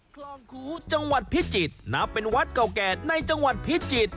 คลองคูจังหวัดพิจิตรนับเป็นวัดเก่าแก่ในจังหวัดพิจิตร